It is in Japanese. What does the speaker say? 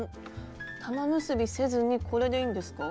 玉結びせずにこれでいいんですか？